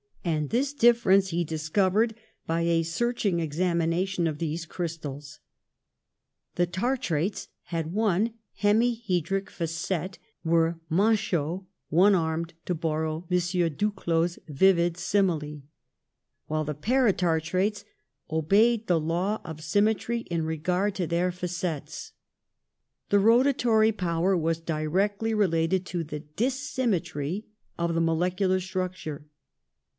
And this difference he discovered by a searching examination of these crystals. The tartrates had one hemihedric facet — were manchots, one armed, to borrow M. Duclaux's vivid simile — while the paratar trates obeyed the law of symmetry in regard to their facets. The rotary power was directly re lated to the dissymmetry of the molecular structure.